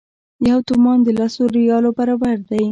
یو تومان د لسو ریالو برابر دی.